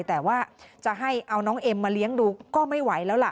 แต่ว่าจะให้เอาน้องเอ็มมาเลี้ยงดูก็ไม่ไหวแล้วล่ะ